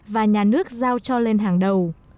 và nhà nước giao cho lên hàng đầu